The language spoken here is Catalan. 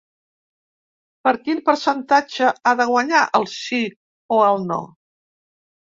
Per quin percentatge ha de guanyar el sí o el no?